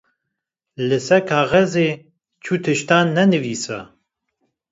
Li ser kaxizê çû tiştan ne nivîse.